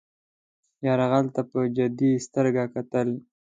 یرغل ته په جدي سترګه کتل.